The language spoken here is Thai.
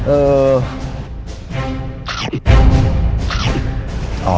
เออ